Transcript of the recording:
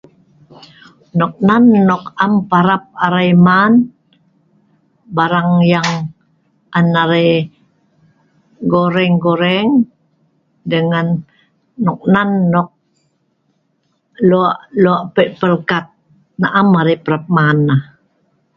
nok nan nok am parap arai man barang yang on arai goreng goreng dengan nok nan nok lok lok pei pelkat nah am arai parap man nah